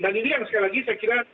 dan ini yang sekali lagi saya kira